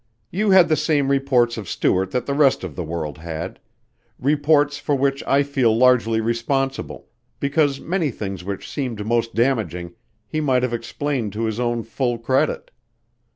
You had the same reports of Stuart that the rest of the world had; reports for which I feel largely responsible because many things which seemed most damaging, he might have explained to his own full credit.